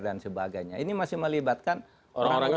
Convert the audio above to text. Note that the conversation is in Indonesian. dan sebagainya ini masih melibatkan orang orang